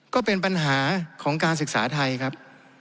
ก็เป็นปัญหาของการศึกษาไทยครับ